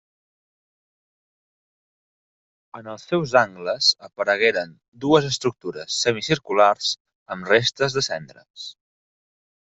En els seus angles aparegueren dues estructures semicirculars amb restes de cendres.